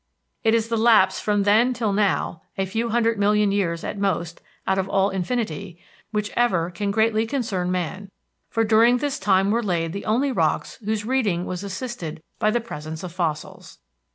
It is the lapse from then till now, a few hundred million years at most out of all infinity, which ever can greatly concern man, for during this time were laid the only rocks whose reading was assisted by the presence of fossils.